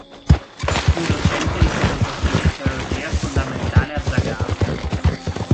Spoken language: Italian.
Fu docente di filosofia e teologia fondamentale a Zagabria.